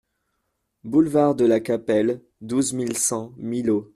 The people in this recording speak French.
Boulevard de la Capelle, douze mille cent Millau